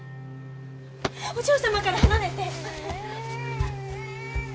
お嬢様から離れて！